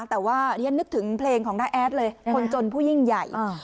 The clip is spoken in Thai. แต่ว่าเรียนนึกถึงเพลงของน้าแอดเลยคนจนผู้ยิ่งใหญ่